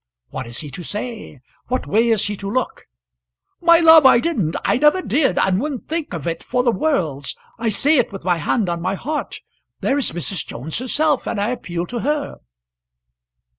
What is he to say? What way is he to look? "My love, I didn't. I never did, and wouldn't think of it for worlds. I say it with my hand on my heart. There is Mrs. Jones herself, and I appeal to her."